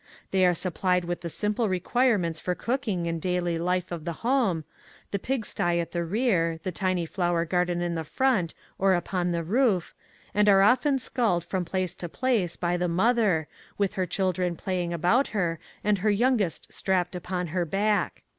They are supplied with the sim ple requirements for cooking and daily life of the home, the pig sty at the rear, the tiny flower garden at the front or upon the roof, and are often sculled from place to place by the mother, with her children playing about her and her youngest strapped upon her back.